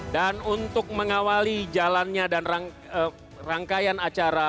dan untuk mengawali jalannya dan rangkaian acara